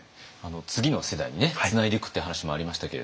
次の世代にねつないでいくっていう話もありましたけれども